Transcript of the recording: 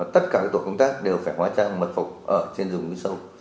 tất cả tổ công tác đều phải hoà trang mật phục ở trên rừng sâu